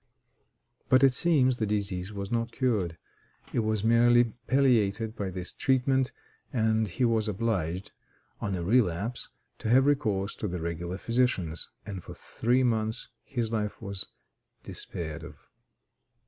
But it seems the disease was not cured; it was merely palliated by this treatment, and he was obliged, on a relapse, to have recourse to the regular physicians, and for three months his life was despaired of.